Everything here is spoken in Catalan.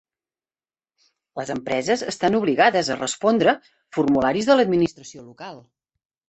Les empreses estan obligades a respondre formularis de l'administració local.